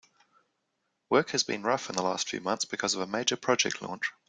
Work has been rough in the last few months because of a major project launch.